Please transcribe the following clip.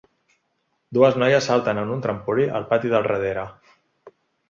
Dues noies salten en un trampolí al pati del darrere.